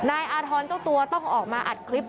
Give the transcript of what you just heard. อาธรณ์เจ้าตัวต้องออกมาอัดคลิป